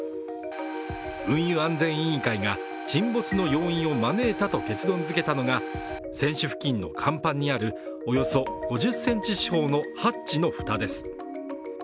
運輸安全委員会が沈没の要因を招いたと結論づけたのが船首付近の甲板にある、およそ５０センチ四方のハッチの蓋です。